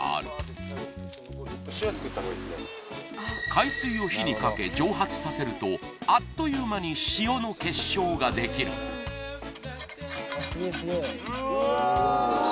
海水を火にかけ蒸発させるとあっという間に塩の結晶ができるうわうわ